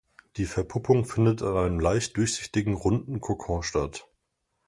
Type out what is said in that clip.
Die Verpuppung findet in einem leicht durchsichtigen, runden Kokon statt.